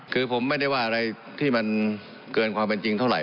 คือผมไม่ได้ว่าอะไรที่มันเกินความเป็นจริงเท่าไห